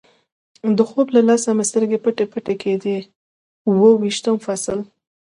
د خوب له لاسه مې سترګې پټې پټې کېدې، اوه ویشتم فصل.